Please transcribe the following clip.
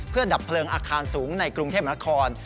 เพื่อดับเผลิงอาคารสูงในกรุงเทพภิกษามนาคอร์น